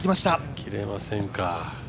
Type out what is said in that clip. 切れませんか。